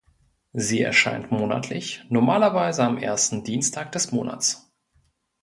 Sie erscheint monatlich, normalerweise am ersten Dienstag des Monats.